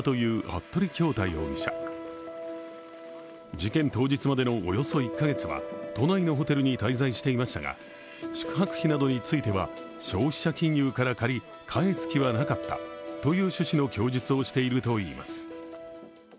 事件当日までのおよそ１カ月は都内のホテルに滞在していましたが宿泊費などについては消費者金融から借り返す気はなかったという趣旨の供述をしているといいます。